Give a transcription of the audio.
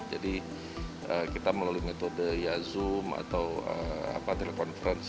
jadi kita melalui metode zoom atau telekonferensi